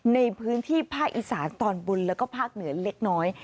ในพื้นที่ภาคอีสานตอนบนแล้วก็ภาคเหนือเล็กน้อย